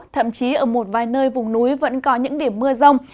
thậm chí ở một vài nơi vùng núi vẫn có những điểm mưa rông